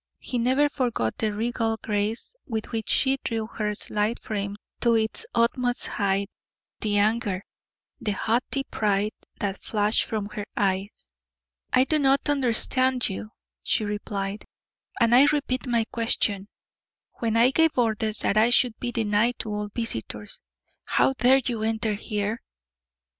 He never forgot the regal grace with which she drew her slight frame to its utmost height, the anger, the haughty pride that flashed from her eyes. "I do not understand you," she replied; "and I repeat my question; when I gave orders that I should be denied to all visitors, how dare you enter here?"